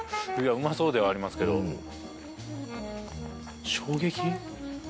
うまそうではありますけど衝撃？